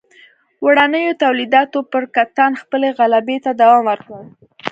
وړینو تولیداتو پر کتان خپلې غلبې ته دوام ورکړ.